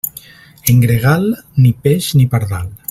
En gregal, ni peix ni pardal.